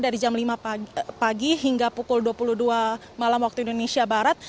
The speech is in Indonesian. dari jam lima pagi hingga pukul dua puluh dua malam waktu indonesia barat